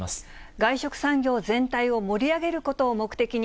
外食産業全体を盛り上げることを目的に、